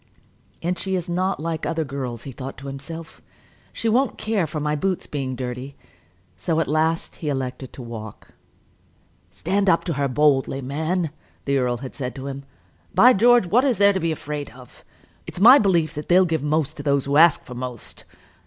"And she is not like other girls," he thought to himself. "She won't care for my boots being dirty." So at last he elected to walk. "Stand up to her boldly, man," the earl had said to him. "By George, what is there to be afraid of? It's my belief they'll give most to those who ask for most.